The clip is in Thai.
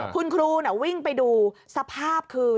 คุณครูวิ่งไปดูสภาพคือ